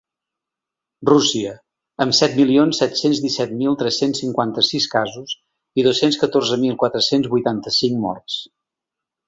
Rússia, amb set milions set-cents disset mil tres-cents cinquanta-sis casos i dos-cents catorze mil quatre-cents vuitanta-cinc morts.